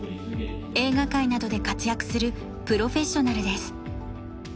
映画界などで活躍するプロフェッショナルです。